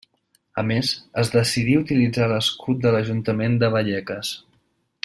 A més, es decidí utilitzar l'escut de l'ajuntament de Vallecas.